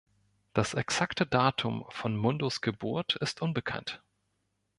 Das exakte Datum von Mundus Geburt ist unbekannt.